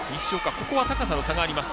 ここは高さの差があります。